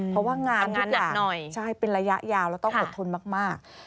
เพราะว่างานทุกอย่างใช่เป็นระยะยาวแล้วต้องอดทนมาก